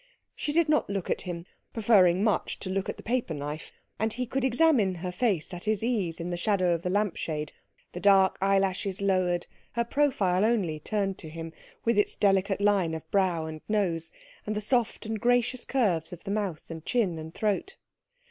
She did not look at him, preferring much to look at the paper knife, and he could examine her face at his ease in the shadow of the lamp shade, her dark eyelashes lowered, her profile only turned to him, with its delicate line of brow and nose, and the soft and gracious curves of the mouth and chin and throat.